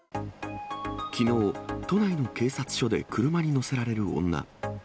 きのう、都内の警察署で車に乗せられる女。